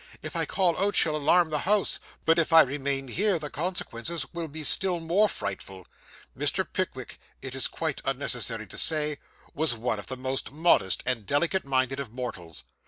If I call out she'll alarm the house; but if I remain here the consequences will be still more frightful.' Mr. Pickwick, it is quite unnecessary to say, was one of the most modest and delicate minded of mortals.